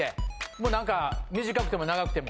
もうなんか短くても長くても。